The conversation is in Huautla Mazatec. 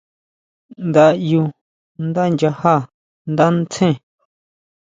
Nda ʼyú ndá nyajá ndá ntsén.